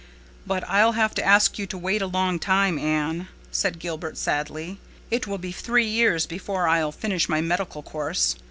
"But I'll have to ask you to wait a long time, Anne," said Gilbert sadly. "It will be three years before I'll finish my medical course.